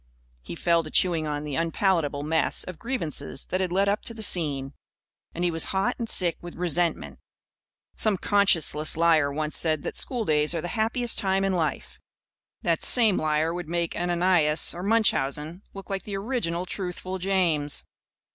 He fell to chewing on the unpalatable mess of grievances that had led up to the scene. And he was hot and sick with resentment. Some conscienceless liar once said that schooldays are the happiest time in life. That same liar would make Ananias or Munchausen look like the original Truthful James.